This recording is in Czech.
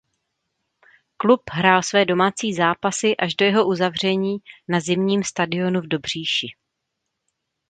Klub hrál své domácí zápasy až do jeho uzavření na zimním stadionu v Dobříši.